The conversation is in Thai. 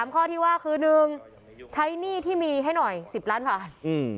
ข้อที่ว่าคือ๑ใช้หนี้ที่มีให้หน่อย๑๐ล้านบาท